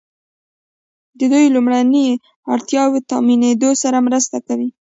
د دوی لومړنیو اړتیاوو تامینیدو سره مرسته کوي.